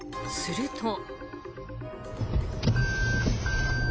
すると。